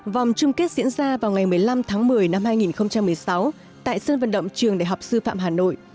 vòng chung kết diễn ra vào ngày một mươi năm tháng một mươi năm hai nghìn một mươi sáu tại sân vận động trường đại học sư phạm hà nội